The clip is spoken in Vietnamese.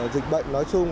dịch bệnh nói chung